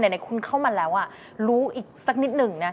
ไหนคุณเข้ามาแล้วรู้อีกสักนิดหนึ่งนะ